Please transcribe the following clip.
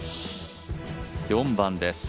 ４番です。